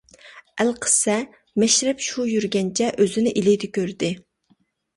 ئەلقىسسە، مەشرەپ شۇ يۈرگەنچە ئۆزىنى ئىلىدا كۆردى.